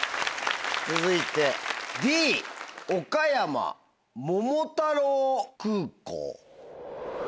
続いてＤ「岡山桃太郎空港」。